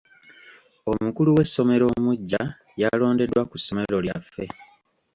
Omukulu w'essomero omuggya yalondeddwa ku ssomero lyaffe.